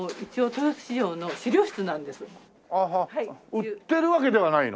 売ってるわけではないの？